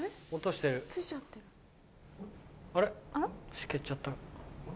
しけちゃった？